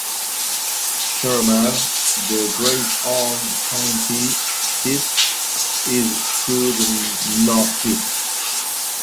Sherman, the Grayson County seat, is to the northeast.